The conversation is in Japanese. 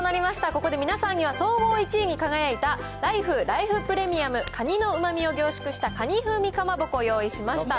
ここで皆さんには総合１位に輝いたライフ、ライフプレミアムカニのうまみを凝縮したかに風味かまぼこを用意しました。